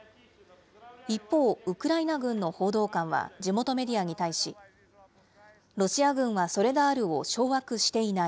一方、ウクライナ軍の報道官は地元メディアに対し、ロシア軍はソレダールを掌握していない。